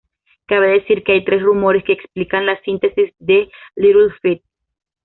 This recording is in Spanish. Cabe decir que hay tres rumores que explican la síntesis de Little Feat.